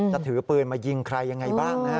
ถือปืนมายิงใครยังไงบ้างนะฮะ